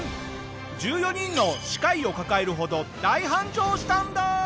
１４人の歯科医を抱えるほど大繁盛したんだ！